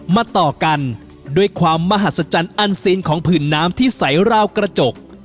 มาต่อกันด้วยความมหัศจรรย์อันซีนของผื่นน้ำที่ใสราวกระจก